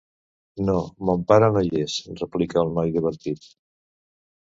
No, mon pare no hi és! —replica el noi, divertit—.